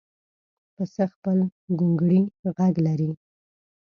پسه خپل ګونګړی غږ لري.